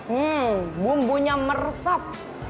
hmm bumbunya meresap